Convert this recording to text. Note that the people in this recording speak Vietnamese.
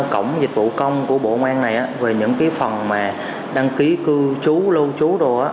cổng dịch vụ công của bộ công an này về những phần đăng ký cư trú lâu trú đồ